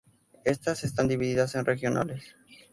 Estas están divididas en regionales.